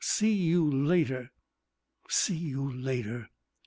See you later. See you later."